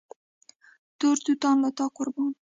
تور توتان له تا قربان